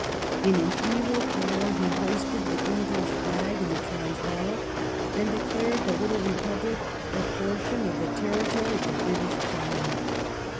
In an evil hour he hoisted the English flag: in the Transvaal and declared the little republic a portion of the territory of the British crown.